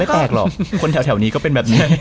แปลกหรอกคนแถวนี้ก็เป็นแบบนี้